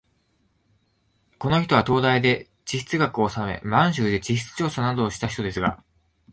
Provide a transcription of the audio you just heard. この人は東大で地質学をおさめ、満州で地質調査などをした人ですが、